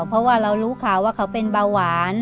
เพราะว่าเรารู้ข่าวว่าเขาเป็นเบาหวาน